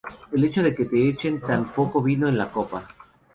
El hecho de que te echen tan poco vino en la copa